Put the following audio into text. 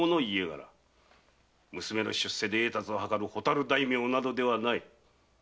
娘の出世で栄達をはかる“蛍大名”などではない。